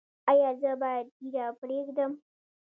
ایا زه باید ږیره پریږدم؟